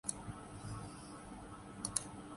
theory ہرگز کسی مفروضے پہ